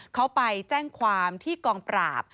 เขาไปแจ้งความที่กองปราบ